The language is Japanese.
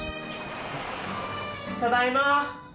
ただいま。